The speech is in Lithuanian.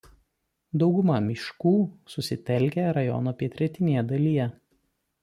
Dauguma miškų susitelkę rajono pietrytinėje dalyje.